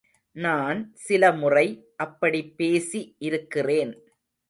நான் சில முறை அப்படிப் பேசி இருக்கிறேன்.